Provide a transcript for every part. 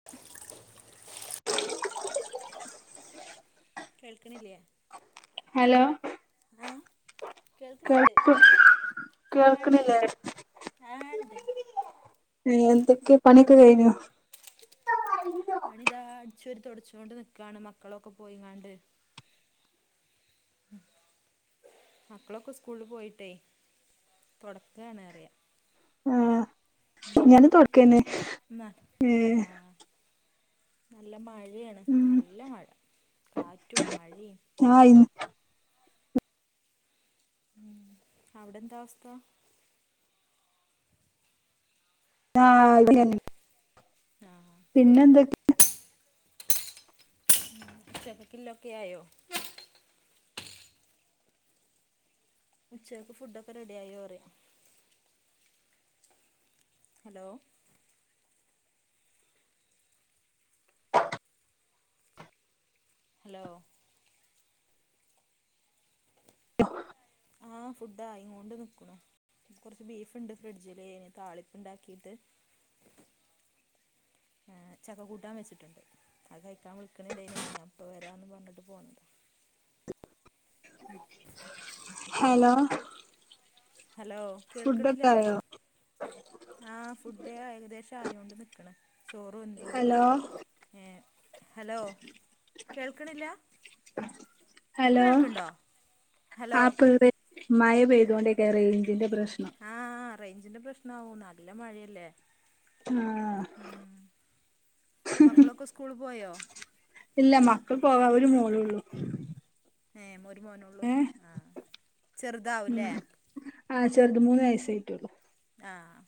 [inaudible] കേൾക്ക്ണില്ല്യ hello ആ കേൾക്ക് ആഹ് ഇണ്ട് കേൾക്ക്ണ്ല്ലേ ഇണ്ട് ആഹ് ണ്ട് എന്തൊക്കെ പണിയൊക്കെ കഴിഞ്ഞോ പണിതാ അടിച്ച് വാരി തൊടച്ചോണ്ട് നിക്കാണ്‌ മക്കളൊക്കെ പോയിങ്ങാണ്ട് മക്കളൊക്കെ സ്കൂളിൽ പോയിട്ടേ തുടക്കാണറിയ ആഹ് ഞാനും തുടക്കന്നെ എന്നാ ഉം ആഹ് നല്ല മഴയാണ് ഉം നല്ല മഴ കാറ്റും മഴയും ആ ഇ ഉം അവിടെ എന്താ അവസ്ഥ ആ ഇത് തന്നെ ആഹ് പിന്നെ എന്തൊ ഉം തെരക്കിലൊക്കെ ആയോ ഉച്ചയ്ക്ക് ഫുഡൊക്കെ റെഡിയായോ പറയ ഹലോ ഹലോ ആഹ് ഫുഡ് ആയി കൊണ്ട് നിക്ക്ണു കുറച്ച് ബീഫ്ണ്ട് ഫ്രിഡ്ജില് അയ്ന് താളിപ്പ് ണ്ടാക്കിയിട്ട് ആഹ് ചക്ക കൂട്ടാൻ വെച്ചിട്ട്ണ്ട്. അത് കഴിക്കാൻ വിളിക്ക്ണ് ണ്ടായിരുന്നു ഉമ്മ. ഞാൻ ഇപ്പോൾ വരാന്ന് പറഞ് പോന്നതാ ഹലോ ഹലോ കേൾക്ക്ണില്ല ഫുഡൊക്കെ ആയോ ആഹ് ഫുഡ് ഏകദേശം ആയി കൊണ്ട് നിക്ക്ണ് ചോറ് വെന്തു ഹലോ ഏ ഹലോ കേൾക്കണില്ല ഇപ്പ ഹലോ കേൾക്കണുണ്ടോ ഹലോ മയ പെയ്തോണ്ടിരിക്കയാ റേഞ്ചിന്റെ പ്രശ്നം ആ ആ റേഞ്ചിന്റെ പ്രെശ്നാവും നല്ല മഴയല്ലേ ആഹ് ഊമ് മക്കളൊക്കെ സ്കൂളി പോയോ ഇല്ല മക്കൾ പോക ഒരു മോളുള്ളൂ ഏഹ് ഒരു മോനുള്ളൂ ആഹ് ഉം ചെറുതാവൂല്ലേ ആഹ് ചെറുത് മൂന്നു വയസ്സായിട്ടുള്ളു ആഹ്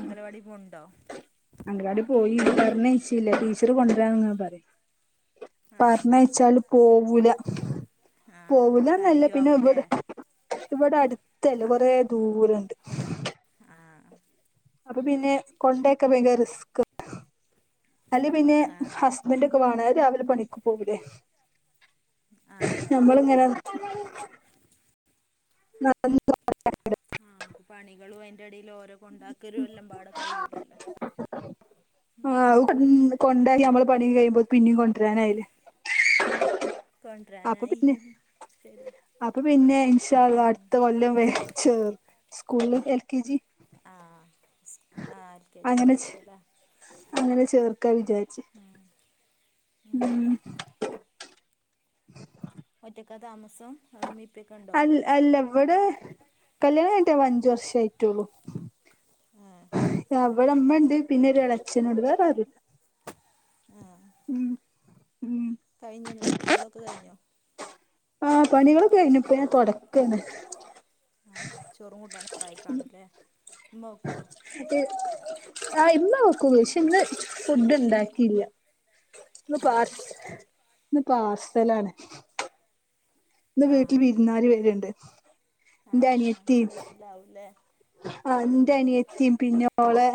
അംഗലവാടീ പോണുണ്ടോ അങ്കാടി പോയി പറഞ്ഞേച്ചില്ലേ ടീച്ചറ് കൊണ്ടുവരാന്ന് പറയും ആഹ് പറഞ്ഞയച്ചാലു പോവൂല്ല ആഹ് പോവൂല്ലാന്നല്ല പിന്നെ കരയുവാവൂല്ലേ ഇവിടെ ഇവിടെ അടുത്തല്ലേ കൊറേ ദൂരണ്ട് ആഹ് അപ്പം പിന്നെ കൊണ്ടേക്കെ ഭയങ്കര റിസ്ക് അല്ലേ പിന്നെ ഹസ് ആഹ് ഹസബന്റൊക്കെ വാണേ രാവിലെ പണിക്ക് പോകൂല്ലേ ആഹ് നമ്മളിങ്ങനെ ന [unintelligible] ആഹ് അമ്മക്ക് പണികളും അതിന്റെടയിലും ഓരോകൊണ്ടാക്കലും എല്ലാം പാട കഴിയൂലല്ലോ ആ അതു കൊണ്ടോയി നമ്മള് പണി കയിയുമ്പോ പിന്നെയും കൊണ്ടുവരാനായില്ലേ കൊണ്ടെരാനായി അപ്പം പിന്നെ ഇൻഷാ അള്ളാ അടുത്ത കൊല്ലം വേ ചോർ സ്കൂളിലു എൽ കെ ജി ആ ആ സ് ആഹ് കെ ജി അങ്ങനെ ചേ ചേർക്കല്ലേ അങ്ങനെ ചേർക്കാ വിചാരിച്ചെ ഉം ഒറ്റക്കാ താമസം അമ്മിപ്പിക്കൊണ്ടോ അൽ അല്ല ഇവിടെ കല്ല്യാണം കഴിഞ്ഞിട്ട് അഞ്ചു വർഷായിട്ടുള്ളു ആഹ് അവടെ അമ്മ ഒണ്ട് പിന്നോരു എളയച്ചണൊണ്ട് വേരാറുംയില്ല ആഹ് ഉം ഉം കഴിഞ്ഞു വന്നിട്ട് നിങ്ങളൊക്കെ കയിഞ്ഞോ ആഹ് പണികളൊക്കെ കയിഞ്ഞു ഇപ്പ ഞാൻ തൊടയ്ക്കയാണ് ആഹ് ചോറും കൂട്ടാനൊക്കായി കാണൂല്ലേ ഉമ്മ വെക്കുവോ ആഹ് ഇമ്മ വെയ്ക്കും പക്ഷേ ഇന്ന് ഫുഡ്ഡുണ്ടാക്കിയില്ല ഇന്നു ആഹ് പാർസ് ഇന്ന് പാർസലാണ് ഇന്നു വീട്ടിൽ ആഹ് വിരുന്നുകാര് വെരുണ്ട് എന്റെ അനിയത്തീം- ഇത്‌ ആവുംയില്ലേ ആഹ് ഇന്റെ അനിയത്തിയും പിന്നോളെ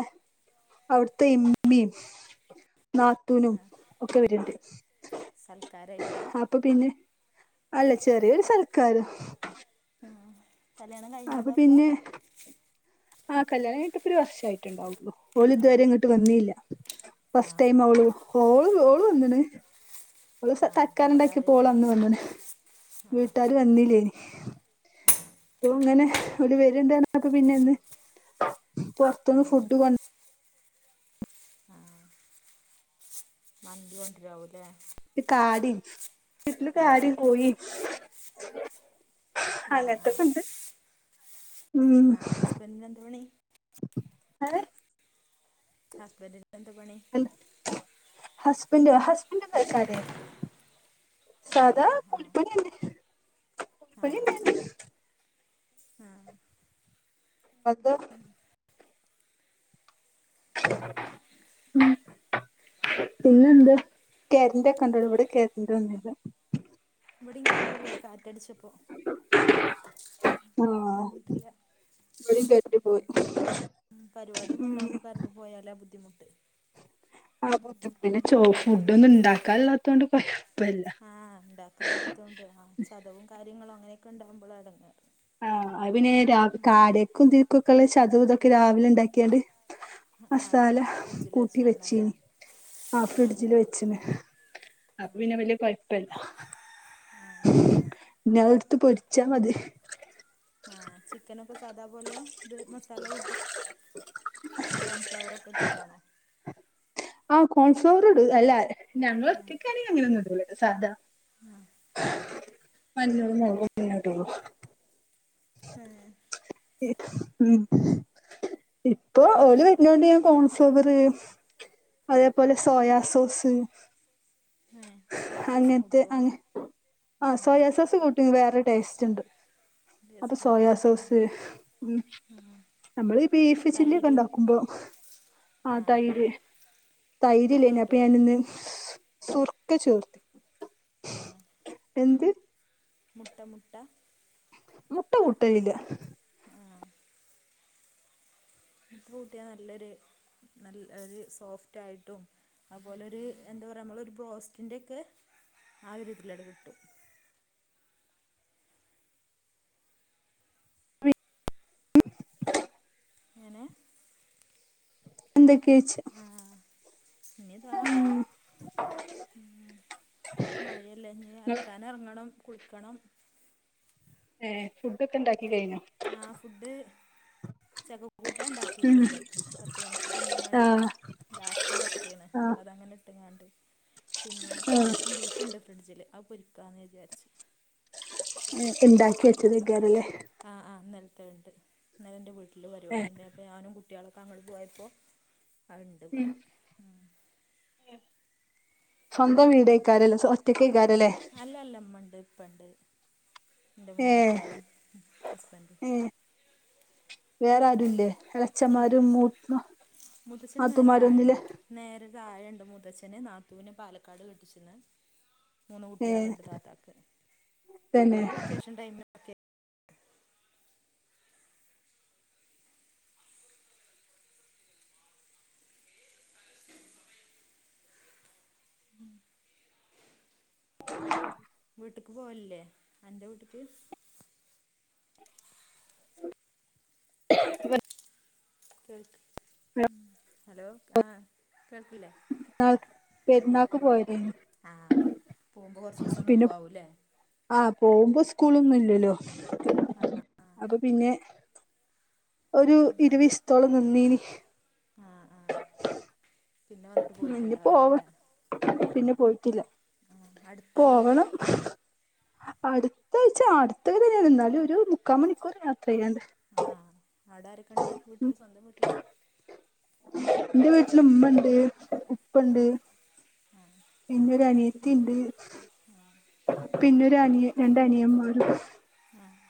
അവിടുത്തെ ഇമ്മിയും നാത്തൂനും ഒക്കെ വരുണ്ട് സൽക്കാരായിട്ടാ അപ്പൊ പിന്നെ അല്ല ചെറിയൊരു സൽക്കാരം. ആഹ് അപ്പ പിന്നെ ആഹ് കല്യാണം കഴിഞ്ഞിട്ടിപ്പൊരു വർഷായിട്ടുണ്ടാവും ഓളിതുവരെ ആഹ് ഇങ്ങോട്ട് വന്നീല്ല ആഹ് ഫസ്റ്റടൈം ആഹ് അവള് ഓളെ ഓളു വന്നണ് അവള് സ ആഹ് തക്കാറണ്ടാക്കി വീട്ടാരല്ലേ പോളന്ന് വന്നന ആഹ് വീട്ടാര് വന്നില്ലേനി അപ്പൊ ഇങ്ങനെ അവര് വെരാനുണ്ടോ ആഹ് പിന്നെന്ന് പൊറത്തൂന്ന് ആഹ് ഫുഡ് കൊണ്ട ആഹ് മന്തി കൊണ്ട് വരാവൂല്ലേ തി കാടീം വീട്ടിലെ ആഹ് കാടീം കോഴീം ആഹ് അല്ലാത്തപ്പ എന്താ ആഹ് ആഹ് ഹസ്ബന്റിന് എന്താ പണി ഹായ്‌ ഹസ്ബൻഡിന് എന്തുണ്ട് പണി? ഹസ്ബൻഡ് ഹസ്ബൻഡ് കടേലാ സാധാ കടയിലോ ആഹ് കൂലിപ്പണി തന്നെ കൂലിപ്പണി ആഹ് തന്നെ ആഹ് അത് ഉം [unintelligible] പിന്നെ എന്താ കറണ്ട് ഒക്കെ ഒണ്ടോ അവിടെ ഇവിടെ കറണ്ട് ഒന്നുംയില്ല ഇവിടേം കറൻ്റ് പോയി കാറ്റടിച്ചപ്പോ ആ വന്നിട്ടില്ല ഇവിടേം കറൻ്റ് പോയി പരിപാടിയൊക്കെ ഉം ഉണ്ടാകുമ്പോ കറണ്ട് പോയാല ബുദ്ധിമുട്ട് ആ ബുദ്ധിമുട്ടില ഫുഡ ഒന്നും ഇണ്ടാക്കാല്ലാത്ത കൊൊണ്ട് കുഴപ്പില്ല ആഹ് ഉണ്ടാക്കാൻ ഇല്ലാത്തോണ്ടെ ആ ചതവും കാര്യങ്ങളും അങ്ങനെയൊക്കെ ഉണ്ടാകുമ്പോളാണ് ഇടങ്ങേറ് ആഹ പിന്നെ രാവിലെ കാട [unintelligible] ക്കും ീക്ക [unintelligible] ക്കള് ചത ഇതൊക്കെ രാവിലെ ഉണ്ടാക്കിയാണ്ട് [unintelligible] ആഹ് മസാല ആഹ് ഫ്രിഡ്ജിൽ കൂട്ടി വെച്ചണല്ലേ വെച്ചീന് ആ ആഹ് ഫ്രിഡ്ജില് വെച്ച്ന് അപ്പപിന്നെ വല്യ കൊഴപ്പയില്ല ആഹ [unintelligible] ഇനി അത് എടുത്ത് പൊരിച്ചാ മതി ആ ചി - ചിക്കനൊക്കെ സാധാപോലെ ഇത് മസാല കൂട്ടുക കോൺഫ്ലവറൊക്കെ ഇട്ടിട്ടാണോ ആ കോൺഫ്ലോർ ഇടും അല്ലാ ഞങ്ങള് ഒറ്റക്ക് ആണെ- ഞാൻ അങ്ങനെ ഒന്നും ഇടുല സാധാ ആഹ് മഞ്ഞളും മുളകും ഞാന് ഇടുളു ആം [unintelligible] ഉം [unintelligible] ഇപ്പൊ ഓല് വരുന്നോണ്ട് ഞാന് കോൺഫ്ലോറ് - അതേപോലെ സോയാ സോസ്- ഏഹ് സോയാ സോസും അങ്ങനത്തെ കൂട്ടുവോ അ ആ ആഹ് സോയാ സോസ് കൂട്ടി വേറെ ടേസ്റ്റ് ഉണ്ട് അത് ടേസ്റ്റ് സോയാ ഉണ്ടല്ലേ ആഹ് സോസ് ഉ- ആഹ് നമ്മള് ബീഫ് ചില്ലിക്കെ തൈരും ഇണ്ടാക്കുമ്പോ ആ ആഹ് തൈര്- മുട്ട തൈര്യല്ലേനെ അപ്പൊ കൂട്ടുവോ ഞാനിന്ന്- സുർക്ക ചേർത്തി ആഹ് എന്ത് മുട്ട മുട്ട മുട്ട കൂട്ടലില്ല ആഹ് ഇപ്പൂട്ടിയ നല്ലൊരു നല്ല ഒരു സോഫ്റ്റ് ആയിട്ടും- അപോലെ ഒരു എന്താ പറയുക നമ്മളൊ ഒരു ബ്രോസ്റ്റിന്റെറെ ഒക്കെ ആ ഒരു ഇതിലടെ കിട്ടും [inaudible] എങ്ങനെ എന്ത കേച്ചെ ആഹ് ഇനി താ ഉ മഴയല്ലെഞ്ഞിഅലക്കാൻ ഇറങ്ങണം കുളിക്കണം ഏ ഫുഡ് ക്കെ ഉണ്ടാക്കി കയിഞ്ഞോ ആഹ് ഫുഡ്- ചക്ക കൂട്ടാൻ ഉം ഉണ്ടാക്കിട്ടുണ്ട് പത്ത് മണിക്ക് തിന്നാൻ വേണ്ടിട്ട് ആഹ് ലാസ്റ്റ് ചക്കയാണ് ആഹ് അപ്പൊ അതങ്ങനെ ഇട്ടങ്ങാണ്ട് പിന്നെ ആഹ് താളിപ്പും ബീഫുണ്ട് ഫ്രിഡ്ജില് അത് പൊരിക്കാമെന്ന് വിചാരിച്ച് ഉണ്ടാക്കിവെച്ചതൊക്കെയാണല്ലേ ആ ആ ഇന്നൽത്തിണ്ട് ഇന്നലെൻറ വീട്ടിൽ ഏ പരിപാടി ഉണ്ടായപ്പോ ഞാനും കുട്ടികളൊക്ക അങ്ങോട്ട് പോയപ്പോൾ അതുണ്ട് ഉം ഇവിടെ സ്വന്തം വീടക്കാരല്ലേ ഒറ്റക്കായിക്കാരല്ലേ ഇല്ല ഇല്ല ഉമ്മൻഡ് ഇപ്പണ്ട് എന്റെ ഏ മൂന്നുട്ടിയോളും ഹസ്ബൻറ്റും ഏ വേറെ ആരുല്ലേ ഇല്ല എളച്ചന്മാരും ഇല്ല മൂത്ത നാത്തൂന്മാരൊന്നുല്ലേ നേരതാഴണ്ട് മൂത്തച്ഛന് നാതൂൻ പാലക്കാട് കെട്ടിച്ണ് മൂന്ന് ഏ കുട്ട്യേള്ണ്ട് താത്താക്ക് തന്നെ ഓര് വെക്കേഷൻ ടൈമ് ൽ ഒക്കെ വീട്ട്ക്ക് പോവല്ല്ലേ അന്റെ വീട്ട്ക്ക് [inaudible] കേൾ ഹലോ ആ കേൾക്കില്ലേ ആ പെരുന്നാക്ക് പോയതേന്നു ആഹ് പോവ്മ്പോ കൊറച്ചീസം നിക്കാവൂല്ലേ ആഹ് പോവുമ്പോ സ്കൂളൊന്നുംല്ലല്ലോ അപ്പൊ പിന്നെ ഒരു ഇരവീസ്ത്തോളം നിന്നീന് ആ ആ പിന്നെ വന്നിട്ട് നി പോയിട്ടുണ്ടാവില്ല പോവ് അല്ലേ പിന്നെ പോയിട്ടില്ല ആ അടുത്തല്ല പോകണം അടുത്തയ്ച്ച അടുത്തന്നെ ന്നാലും ഒരു മുക്കാ മണിക്കൂർ യാത്രയ്യാണ്ട് ആഹ് അവിടാരൊക്കെ ണ്ട് വീട്ടില് സ്വന്തം വീട്ടില് എന്റെ വീട്ടില് ഉമ്മ ഉണ്ട് ഉപ്പ ഉണ്ട് പിന്നൊരു അനിയത്തിണ്ട് ആഹ് പിന്നൊരു അനിയ രണ്ടനിയന്മാരും ആഹ്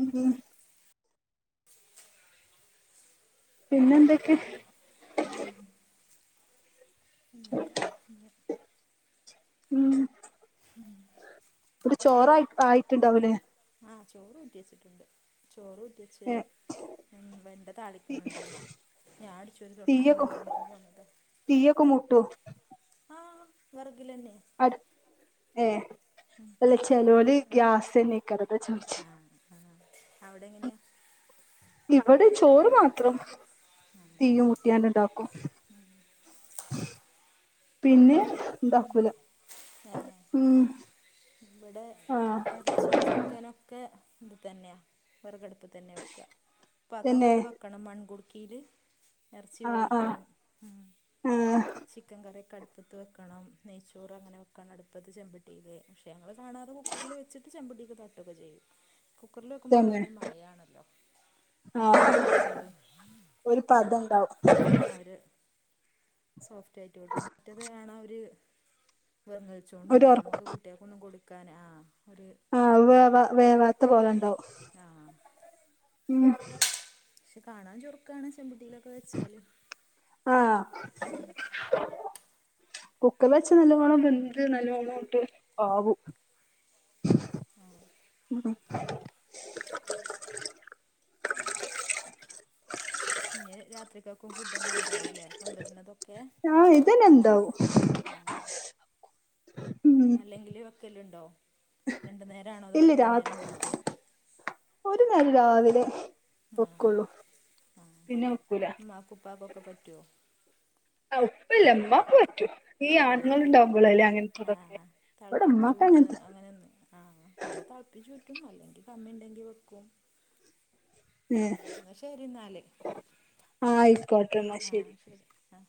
മം മം പിന്നെന്തൊക്കെ മം ഞാൻ താ [unintelligible] ഇത്ചോറായി ആയിട്ടുണ്ടാവൂല്ലേ ആ ചോറുറ്റിച്ചിട്ടുണ്ട് ചോറൂ റ്റിവച്ച് ഏ ഉം വെണ്ട താളിക്കുന്നുണ്ട് മ്മ ഞാനടിച്ചോരി തൊടക്കാമാണ്ടി അങ്ങനെ പോന്നതാ തീയൊക്ക മൂട്ടോ ആഹ് വെർകിലെന്നെ അട് ഏ അല്ല ചെലോല് ഗ്യാസന്നെകാരം അതാ ചോയ് ആഹ് ആഹ് അവിടെ എങ്ങനെയാ? ഇവിടെ ചോറ് മാത്രം തീമൂട്ടിയാണ്ട്‌ ഇണ്ടാക്കും പിന്നെ ണ്ടാക്കൂല ഏഹ് ബടെ ആഹ് എറചീ ചിക്കനൊക്കെ ഇതിതന്നെയാ വെറകടപ്പ്തന്നെ വെക്കാ ഇപ്പാക്ക് തന്നെ അങ്ങനട് വെ ക്കണം മൺങ്കുടിക്കീല് എറച്ചി ആഹ് ആഹ് വേവിക്കണം ഉം ആഹ് ചിക്കൻ കറിയൊക്കെ അടുപ്പത്ത് വെക്കണം നെയ്ച്ചോറ് അങ്ങനെ വെക്ക ക്കണം അടുപ്പത്ത് ചെമ്പട്ടീല് പക്ഷെ ഞങ്ങള് കാണാതെ കുക്കറില് വെച്ചിട്ട് ചെമ്പട്ടിക്ക് തട്ടൊക്കെ ചെയ്യും കുക്കറില് വെക്കുമ്പൊ തന്നെ വേറൊരു മയാണല്ലോ ആഹ് നെയ്ച്ചോറ് ഒരു പതണ്ടാവും ആഹ് ഒര് സോഫ്റ്റ് ആയിട്ട് കിട്ടും മറ്റത് കാണ ഒര് വെർങ്ങലിചോണ്ട് ഒരു നിക്കണ് ഒറ നമ്മക്ക് കുട്ട്യോൾക്കൊന്നു കൊടുക്കാന് ആഹ് ആത് വേവാ വേവാത്ത പോലെണ്ടാവും ആ ഉം പക്ഷെ കാണാൻ ചൊർക്കാണ് ചെമ്പട്ടീലൊക്കെ വെച്ചാല് ആഹ് കുക്കറില് വെച്ച നല്ലോണം വെന്ത് നല്ലോണം ഇട്ട് ആവും ആഹ് ഇനി രാത്രിക്കക്കും ഫുഡെന്നെ ഉണ്ടാവൂലേ കൊണ്ടെര്ണതൊക്കെ ആഹ് ഇതന്നെ ആഹ് എന്താവും ആഹ് ഉം അല്ലെങ്കില് വെക്കല്ണ്ടോ രണ്ടു നേരാണോ അതോ ഇല്ല ഒറ്റ രാത് നേരം വെക്കെ ഒരു നേരം രാവിലെ ആഹ് വെക്കുള്ളൂ ആഹ് പിന്നെ വെക്കൂല ഉമ്മാക്കും ഉപ്പാക്കൊക്കെ പറ്റോ? ആഹ് ഉപ്പല്യ ഉമ്മാക്ക് പറ്റും ഈ ആ ആണുങ്ങള് ഉണ്ടാവുമ്പളല്ലേ ആ അങ്ങനത്തെതൊക്കെ ഇവടെ ഉമ്മാക്ക് അങ്ങനത്തെ ആഹ് ഇവിടെ തളപ്പിച്ചു ഊറ്റും അല്ലെങ്കി കമ്മി ഉണ്ടെങ്കി വെക്കും ഉം ഏഹ് ന്ന ശരി ന്നാല് ആഹ് ആയിക്കോട്ടെ എന്നാ ആഹ് ശരി ആഹ്